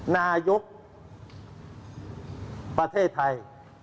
นายกประเทศไทย